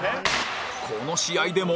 この試合でも